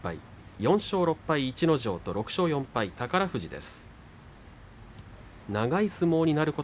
４勝６敗逸ノ城と６勝４敗宝富士です。